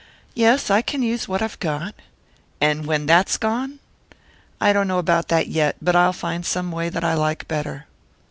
"Yes, I can use what I've got." "And when that's gone?" "I don't know about that yet. But I'll find some way that I like better."